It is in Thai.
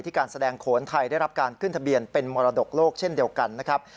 การแสดงโขนไทยได้รับการขึ้นทะเบียนเป็นมรดกโลกเช่นเดียวกันนะครับ